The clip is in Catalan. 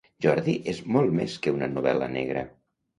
Jordi és molt més que una novel·la negra.